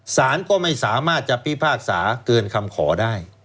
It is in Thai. สารก็ไม่สามารถจะพิพากษาเกินคำขอได้